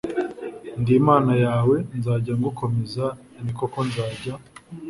Ndi imana yawe nzajya ngukomeza ni koko nzajya